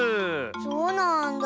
そうなんだ。